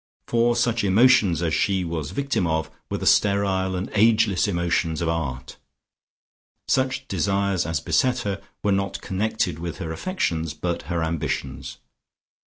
For such emotions as she was victim of were the sterile and ageless emotions of art; such desires as beset her were not connected with her affections, but her ambitions.